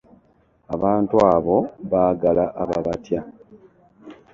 Abantu abo baagala ababatya.